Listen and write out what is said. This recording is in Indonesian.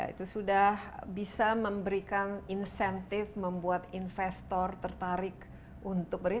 itu sudah bisa memberikan insentif membuat investor tertarik untuk beri